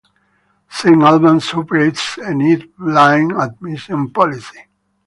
Saint Albans operates a need-blind admission policy.